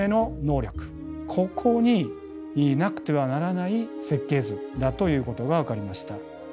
ここになくてはならない設計図だということが分かりました。